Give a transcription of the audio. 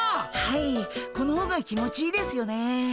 はいこの方が気持ちいいですよね。